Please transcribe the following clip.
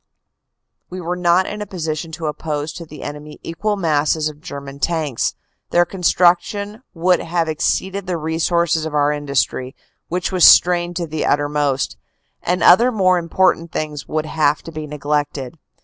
" We were not in a position to oppose to the enemy equal masses of German tanks. Their construction would have exceeded the resources of our industry, which was strained to the uttermost, or other more important things would have had to be neglected.